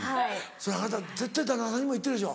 それあなた絶対旦那さんにも言ってるでしょ。